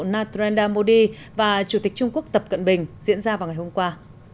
natrendra modi và chủ tịch trung quốc tập cận bình diễn ra vào ngày hôm qua